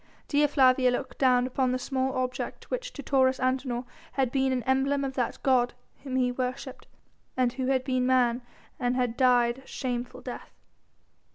Dea Flavia looked down upon the small object which to Taurus Antinor had been an emblem of that god whom he worshipped and who had been man and had died a shameful death.